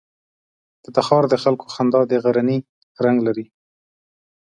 د تخار د خلکو خندا د غرنی رنګ لري.